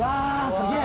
すげえ！